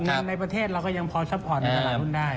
หุ้นในประเทศเราก็พอยังสะพอดในสถานทุนได้